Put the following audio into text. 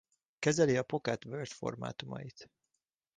Kezeli a Pocket Word formátumait.